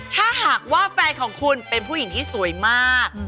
ถ้าหากว่าแฟนของคุณเป็นผู้หญิงที่สวยมาก